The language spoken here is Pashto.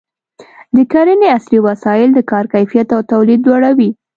د کرنې عصري وسایل د کار کیفیت او تولید لوړوي.